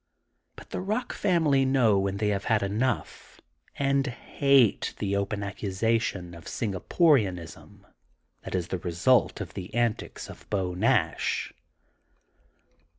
But the Eock family know when they have had enough and hate the open accusation of Singaporianism that is the result of the antics of Beau Nash.''